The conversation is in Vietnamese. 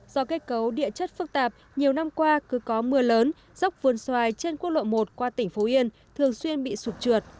do kết cấu địa chất phức tạp nhiều năm qua cứ có mưa lớn dốc vườn xoài trên quốc lộ một qua tỉnh phú yên thường xuyên bị sụt trượt